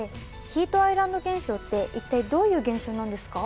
ヒートアイランド現象っていったいどういう現象なんですか？